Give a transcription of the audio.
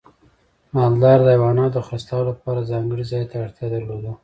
مالدار د حیواناتو د خرڅلاو لپاره ځانګړي ځای ته اړتیا درلوده.